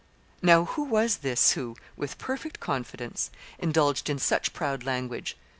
Now who was this who, with perfect confidence, indulged in such proud language?